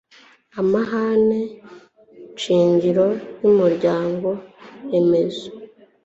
amahame shingiro yumuryango remezo